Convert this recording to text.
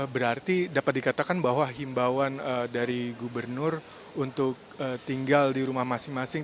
berarti dapat dikatakan bahwa himbauan dari gubernur untuk tinggal di rumah masing masing